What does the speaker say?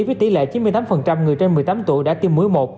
với tỷ lệ chín mươi tám người trên một mươi tám tuổi đã tiêm muối một